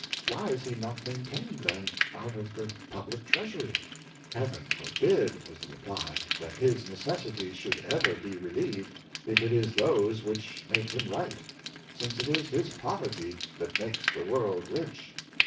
^ Why is he not maintained, then, out of the public treasury.^ "" Heaven forbid! " was the reply, " that his necessities 40 626 The Lessons of Failure, should be ever relieved, if it is those which make him write; since it is his poverty that makes the world rich!"